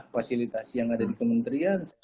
fasilitasi yang ada di kementerian